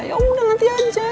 yaudah nanti aja